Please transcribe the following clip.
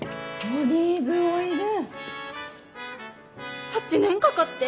「オリーブオイル」。